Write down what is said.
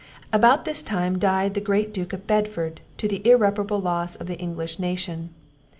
About this time died the great Duke of Bedford, to the irreparable loss of the English nation.